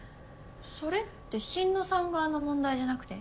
それって心野さん側の問題じゃなくて？